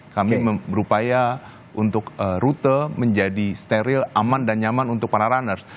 kami berupaya untuk rute menjadi steril aman dan nyaman untuk para runners